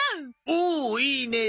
おおいいねえ！